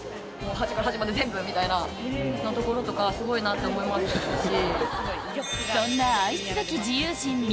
端から端まで全部みたいなところすごいなって思いますし。